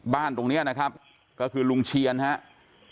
บ้านตรงเนี่ยนะครับก็คือรุงเชียรครับ